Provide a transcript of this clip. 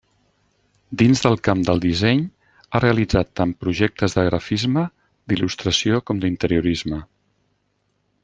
Dins del camp del disseny ha realitzat tant projectes de grafisme, d'il·lustració com d'interiorisme.